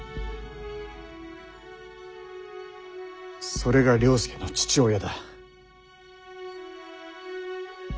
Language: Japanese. それが了助の父親だ。